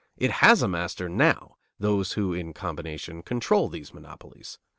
It has a master now, those who in combination control these monopolies.